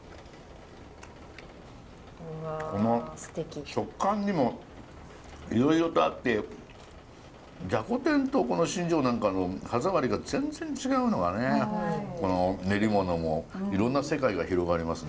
この食感にもいろいろとあってじゃこ天としんじょうなんか歯触りが全然違うのが練り物もいろんな世界が広がりますね。